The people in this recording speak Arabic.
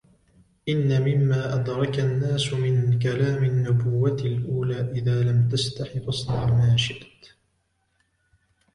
إِنَّ مِمَّا أَدْرَكَ النَّاسُ مِنْ كَلاَمِ النُّبُوَّةِ الأُولَى إِذَا لَمْ تَسْتَحِ فَاصْنَعْ مَا شِئْتَ